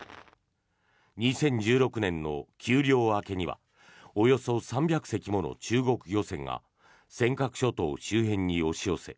２０１６年の休漁明けにはおよそ３００隻もの中国漁船が尖閣諸島周辺に押し寄せ